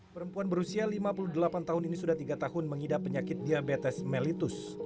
perempuan berusia lima puluh delapan tahun ini sudah tiga tahun mengidap penyakit diabetes mellitus